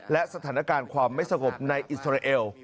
และสถานการณ์ความไม่สงบในอิสราเอล